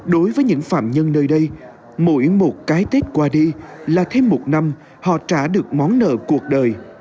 đối với những phạm nhân nơi đây mỗi một cái tết qua đi là thêm một năm họ trả được món nợ cuộc đời